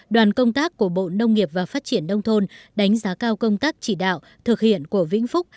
đoàn công tác của bộ nông nghiệp và phát triển đông thôn đánh giá cao công tác chỉ đạo thực hiện của vĩnh phúc